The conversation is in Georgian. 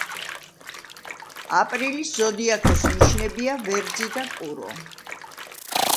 აპრილის ზოდიაქოს ნიშნებია ვერძი და კურო.